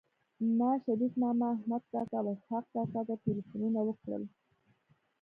ما شريف ماما احمد کاکا او اسحق کاکا ته ټيليفونونه وکړل